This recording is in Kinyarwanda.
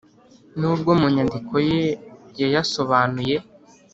n’ubwo mu nyandiko ye yayasobanuye